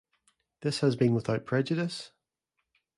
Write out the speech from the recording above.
This has been without prejudice?